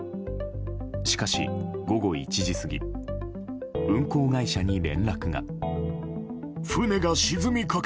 しかし午後１時過ぎ運航会社に連絡が。